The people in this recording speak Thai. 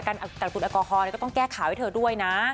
การตัดอุดแอลกอฮอลก็ต้องแก้ข่าวให้เธอด้วยนะ